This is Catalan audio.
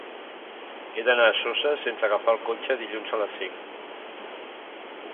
He d'anar a Soses sense agafar el cotxe dilluns a les cinc.